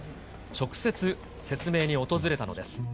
直接、説明に訪れたのです。